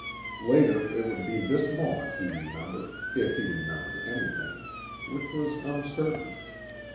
Later it would be this moment he remembered, if he remembered anything which was uncertain.